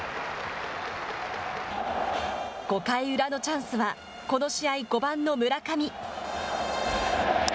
５回裏のチャンスは、この試合５番の村上。